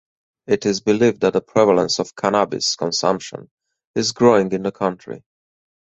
It is believed that the prevalence of cannabis consumption is growing in the country.